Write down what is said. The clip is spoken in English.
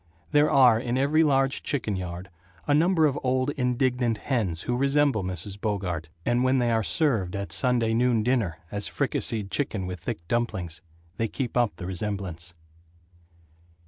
There are in every large chicken yard a number of old and indignant hens who resemble Mrs. Bogart, and when they are served at Sunday noon dinner, as fricasseed chicken with thick dumplings, they keep up the resemblance.